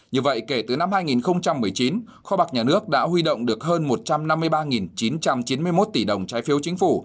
như vậy kể từ năm hai nghìn một mươi chín kho bạc nhà nước đã huy động được hơn một trăm năm mươi ba chín trăm chín mươi một tỷ đồng trái phiếu chính phủ